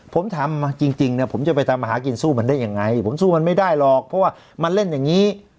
ผมทำจริงเนี่ยผมจะไปทำอาหารกินสู้มันได้ยังไงผมสู้มันไม่ได้หรอกเพราะว่ามันเล่นอย่างนี้